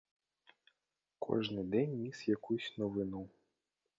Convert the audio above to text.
Кожний день ніс якусь новину.